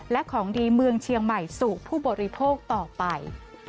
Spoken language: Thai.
และของดีเมืองเชียงใหม่สู่ผู้บริโภคต่อไป